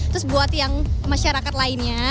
terus buat yang masyarakat lainnya